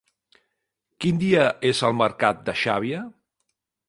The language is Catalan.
Quin dia és el mercat de Xàbia?